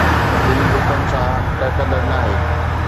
دل ڏکن سان ٺهڪندڙ ناهي